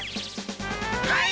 はい！